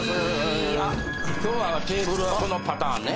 今日はテーブルはこのパターンね。